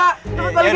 nggak jangan balikin